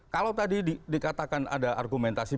kalau tadi dikatakan ada argumentasi